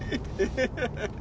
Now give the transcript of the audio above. ハハハハ。